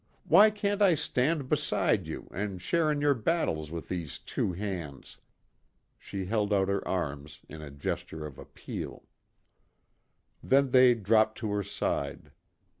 Why can't I stand beside you and share in your battles with these two hands?" She held out her arms, in a gesture of appeal. Then they dropped to her side.